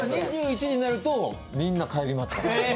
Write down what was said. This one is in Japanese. ２１時になるとみんな帰りますから。